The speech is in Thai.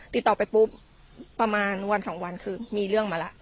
ติดต่อไปปุ๊บประมาณวันสองวันคือมีเรื่องมาแล้ว